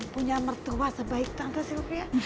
punya mertua sebaik tante silvia